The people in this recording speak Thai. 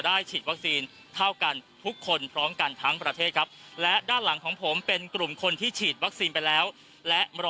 ในส่วนของผู้ประกันตนก็ให้ในส่วนของหมาวิรัยก็ให้นะครับ